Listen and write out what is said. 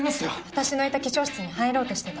私のいた化粧室に入ろうとしてた。